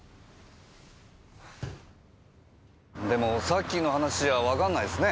でもさっきの話じゃわかんないっすね。